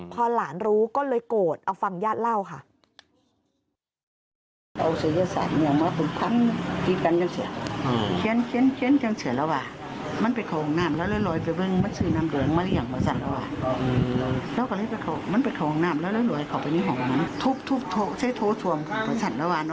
พอหลานรู้ก็เลยโกรธเอาฟังญาติเล่าค่ะ